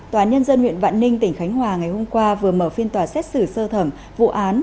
tòa nhân dân huyện vạn ninh tỉnh khánh hòa ngày hôm qua vừa mở phiên tòa xét xử sơ thẩm vụ án